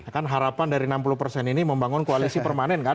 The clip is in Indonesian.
kan harapan dari enam puluh persen ini membangun koalisi permanen kan